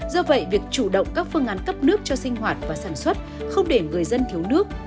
do vậy việc chủ động các phương án cấp nước cho sinh hoạt và sản xuất không để người dân thiếu nước